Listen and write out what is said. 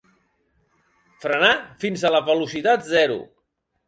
Frenar fins a la velocitat zero.